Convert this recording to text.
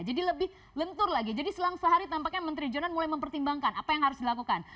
lebih lentur lagi jadi selang sehari tampaknya menteri jonan mulai mempertimbangkan apa yang harus dilakukan